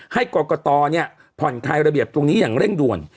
ให้กรกตผ่อนคลายระเบียบตรงนี้อย่างเร่งด่วน